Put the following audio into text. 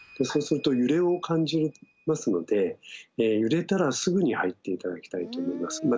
そうすると揺れを感じますので揺れたらすぐに入って頂きたいと思います。